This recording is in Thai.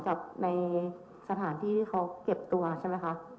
กับในสถานที่ที่เขาเก็บตัวใช่ไหมคะ